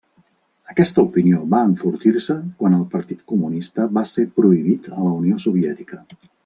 Aquesta opinió va enfortir-se quan el Partit Comunista va ser prohibit a la Unió Soviètica.